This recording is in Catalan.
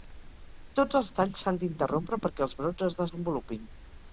Tots els talls s'han d'interrompre perquè els brots es desenvolupin.